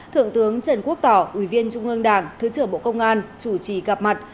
thượng tướng trần quốc tỏ ủy viên trung ương đảng thứ trưởng bộ công an chủ trì gặp mặt